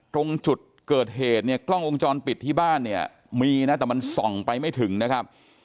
ตรงจุดเกิดเหตุเนี่ยกล้องวงจรปิดที่บ้านเนี่ยมีนะแต่มันส่องไปไม่ถึงนะครับ